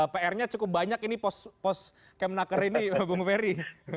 pr nya cukup banyak ini pos kemenaker ini bung ferry